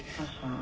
あ。